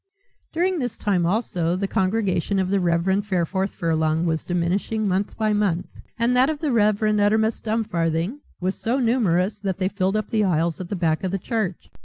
During this time also the congregation of the Reverend Fareforth Furlong was diminishing month by month, and that of the Reverend Uttermust Dumfarthing was so numerous that they filled up the aisles at the back of the church.